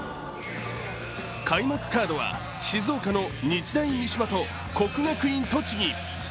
開幕カードは、静岡の日大三島と国学院栃木。